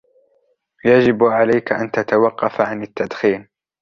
يجب عليك أن تتوقف عن التدخين.